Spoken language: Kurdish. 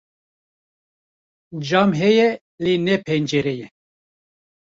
cam heye lê ne pencere ye